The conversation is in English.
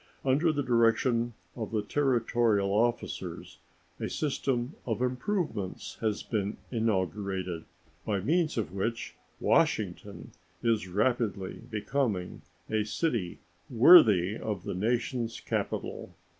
Under the direction of the Territorial officers, a system of improvements has been inaugurated by means of which Washington is rapidly becoming a city worthy of the nation's capital.